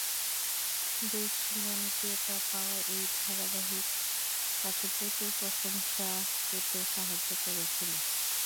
বেশ জনপ্রিয়তা পাওয়া এই ধারাবাহিক তাঁকে প্রচুর প্রশংসা পেতে সাহায্য করেছিল।